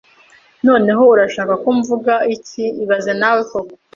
Noneho, urashaka ko mvuga iki ibaze nawe koko